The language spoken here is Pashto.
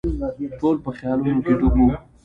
ټول په خیالونو کې ډوب وو.